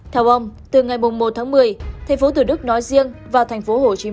theo ông từ ngày một tháng một mươi tp thủ đức nói riêng vào tp hcm